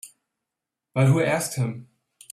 But who asked him?